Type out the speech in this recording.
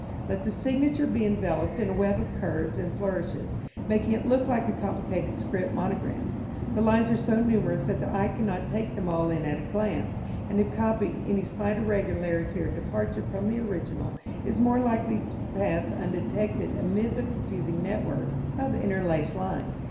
Let a signature be enveloped in a web of curves and flourishes, making it look like a complicated script monogram. The lines are so numerous that the eye cannot take them all in at a glance, and, if copied, any slight irregularity or departure from the original is more likely to pass undetected amid the confusing network of interlaced lines.